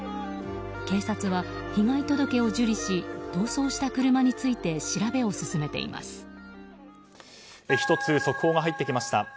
警察は被害届を受理し逃走した車について１つ、速報が入ってきました。